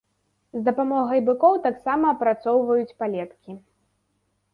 З дапамогай быкоў таксама апрацоўваюць палеткі.